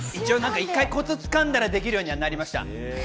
コツを掴んだらできるようになりました。